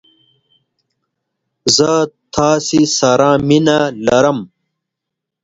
زه تاسې سره مينه ارم!